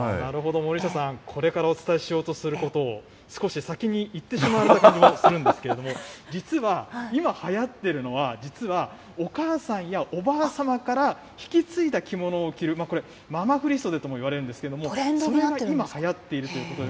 森下さん、これからお伝えしようとすることを、少し先に言ってしまった気もするんですけれども、実は今はやってるのは、実はお母さんやおばあ様から引き継いだ着物を着る、これ、ママふりそでともいわれるんですけれども、それが今、流行っているということなんです。